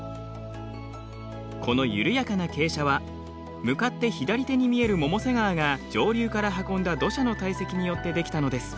この緩やかな傾斜は向かって左手に見える百瀬川が上流から運んだ土砂の堆積によって出来たのです。